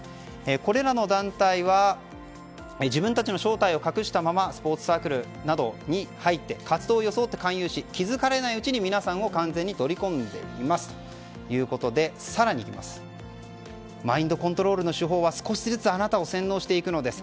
これらの団体は自分たちの正体を隠したままスポーツサークルなどに入って活動を装って勧誘し気づかれないうちに完全に取り込んでいきますということで更にマインドコントロールの手法は、少しずつあなたを洗脳していくのです。